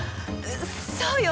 そうよね。